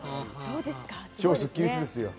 超スッキりすですよ。